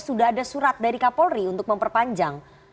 sudah ada surat dari kapolri untuk memperpanjang